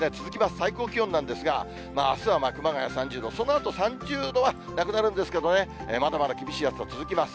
最高気温なんですが、あすは熊谷３０度、そのあと３０度はなくなるんですけどね、まだまだ厳しい暑さ続きます。